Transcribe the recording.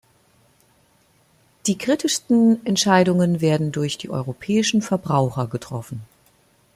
Die kritischsten Entscheidungen werden durch die europäischen Verbraucher getroffen.